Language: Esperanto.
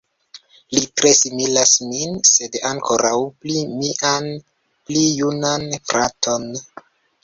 Li tre similas min, sed ankoraŭ pli mian pli junan fraton.